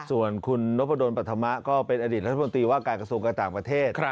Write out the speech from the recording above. ส่วนคุณนพดลปรัฐมะก็เป็นอดีตรัฐมนตรีว่าการกระทรวงการต่างประเทศ